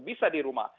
bisa di rumah